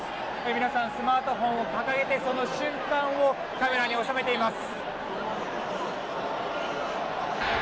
皆さん、スマートフォンを掲げてその瞬間をカメラに収めています。